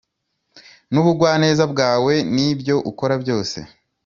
nubugwaneza bwawe nibyo ukora byose.